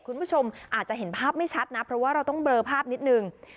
คุณผู้ชมอาจจะเห็นภาพไม่ชัดนะเพราะว่าเราต้องเลอภาพนิดนึง